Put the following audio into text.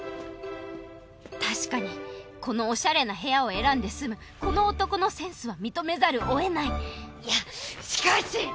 確かにこのおしゃれな部屋を選んで住むこの男のセンスは認めざるをえないいやしかし！